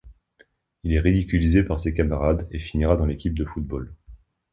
Il est ridiculisé par ses camarades, et finira dans l'équipe de football.